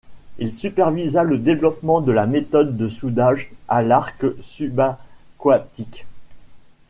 Il supervisa le développement de la méthode de soudage à l'arc subaquatique.